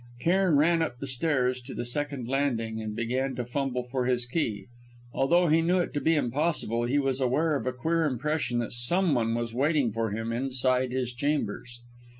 Cairn ran up the stairs to the second landing, and began to fumble for his key. Although he knew it to be impossible, he was aware of a queer impression that someone was waiting for him, inside his chambers.